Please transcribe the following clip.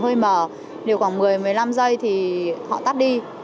tôi mở điều khoảng một mươi một mươi năm giây thì họ tắt đi